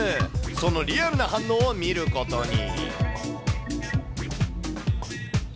そのリアルな反応を見ることに。